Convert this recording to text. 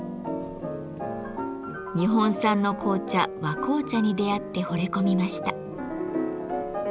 日本産の紅茶「和紅茶」に出会ってほれ込みました。